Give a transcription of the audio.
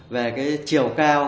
về cái chiều cao